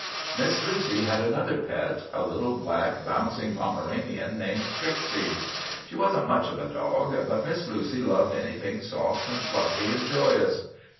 ' Miss Lucy had another pet, a little black, bounc ing Pomeranian named Tricksy. She was n't much of a dog; but Miss Lucy loved anything soft and fluffy and joyous.